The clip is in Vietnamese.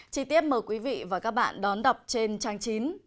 chí tiết mời quý vị và các bạn đón đọc trên trang chín